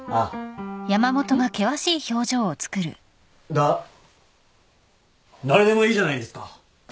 だっ誰でもいいじゃないですか。